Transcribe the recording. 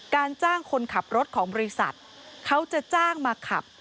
จ้างคนขับรถของบริษัทเขาจะจ้างมาขับ